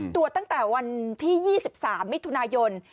ตรวจตั้งแต่วันที่๒๓มิถุนายน